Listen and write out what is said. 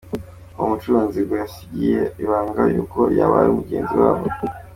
Uwo mucuruzi ngo yagira ibanga kuko yaba ari mugenzi wabo.